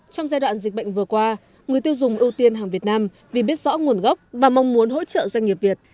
trong giai đoạn dịch bệnh vừa qua người tiêu dùng ưu tiên hàng việt nam vì biết rõ nguồn gốc và mong muốn hỗ trợ doanh nghiệp việt